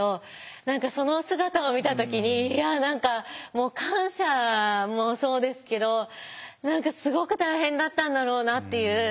何かその姿を見た時にいや何か感謝もそうですけど何かすごく大変だったんだろうなっていう印象があって。